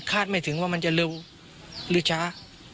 คาดไม่ถึงว่ามันจะเริ่มหรือช้า